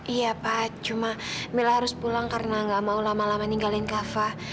iya pak cuma mila harus pulang karena gak mau lama lama ninggalin kava